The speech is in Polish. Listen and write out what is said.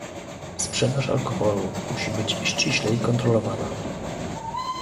Sprzedaż alkoholu musi być ściślej kontrolowana